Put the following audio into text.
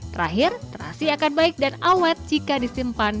terakhir terasi akan baik dan awet jika disimpan